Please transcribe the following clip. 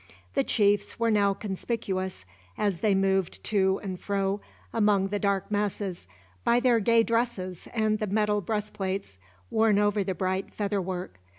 The chiefs were now conspicuous, as they moved to and fro among the dark masses, by their gay dresses and the metal breastplates worn over the bright feather work.